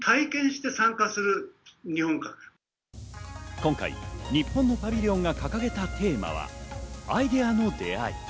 今回、日本のパビリオンが掲げたテーマはアイディアの出会い。